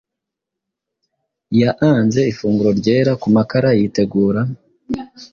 Yaanze Ifunguro Ryera ku makara yitegura,